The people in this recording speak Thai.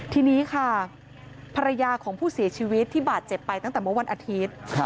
ทีนี้ค่ะภรรยาของผู้เสียชีวิตที่บาดเจ็บไปตั้งแต่เมื่อวันอาทิตย์